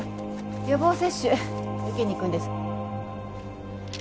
予防接種受けに行くんです。